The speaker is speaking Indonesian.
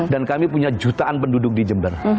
dan kami punya jutaan penduduk di jember